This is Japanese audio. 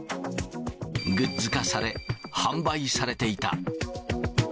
グッズ化され、販売されていた。